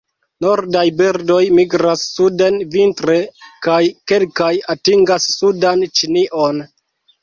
Nordaj birdoj migras suden vintre kaj kelkaj atingas sudan Ĉinion.